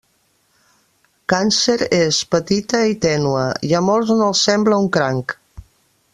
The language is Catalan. Càncer és petita i tènue, i a molts no els sembla un cranc.